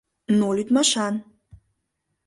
Но лӱдмашан...